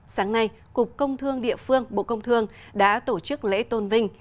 sáng nay cục công thương địa phương bộ công thương đã tổ chức lễ tôn vinh